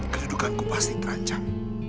kedudukanku pasti terancam